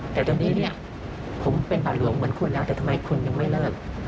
แต่ตอนนี้เนี่ยผมเป็นบาทหลวงเหมือนคุณแล้วแต่ทำไมคุณยังไม่เลิก